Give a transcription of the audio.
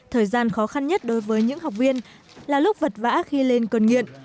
thời gian khó khăn nhất đối với những học viên là lúc vật vã khi lên cơn nghiện